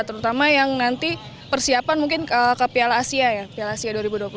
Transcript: terutama yang nanti persiapan mungkin ke piala asia ya piala asia dua ribu dua puluh tiga